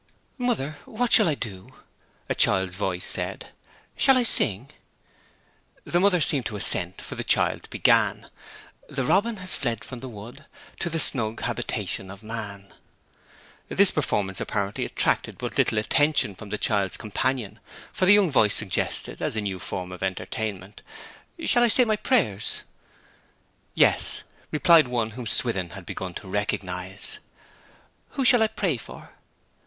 'Mother, what shall I do?' a child's voice said. 'Shall I sing?' The mother seemed to assent, for the child began 'The robin has fled from the wood To the snug habitation of man.' This performance apparently attracted but little attention from the child's companion, for the young voice suggested, as a new form of entertainment, 'Shall I say my prayers?' 'Yes,' replied one whom Swithin had begun to recognize. 'Who shall I pray for?'